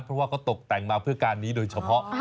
เพราะว่าเขาตกแต่งมาเพื่อการนี้โดยเฉพาะ